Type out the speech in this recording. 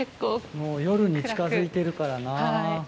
もう夜に近づいてるからな。